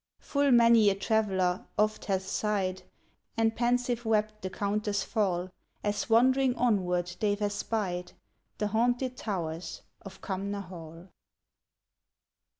Full many a traveller oft hath sighed, And pensive wept the Countess' fall, As wandering onward they've espied The haunted towers of Cumnor Hall.